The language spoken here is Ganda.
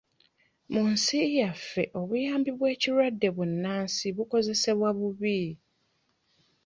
Mu nsi yaffe, obuyambi bw'ekirwadde bbunansi bukozesebwa bubi.